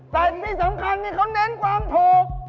แต่สังคัญนี่เขาเน้นกว่าถูก